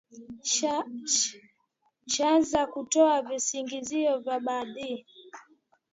shaaza kutoa visingizio vya baadhi